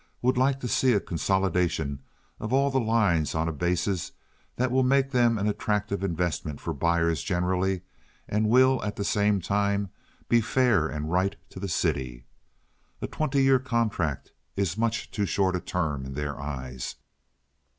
would like to see a consolidation of all the lines on a basis that will make them an attractive investment for buyers generally and will at the same time be fair and right to the city. A twenty year contract is much too short a term in their eyes.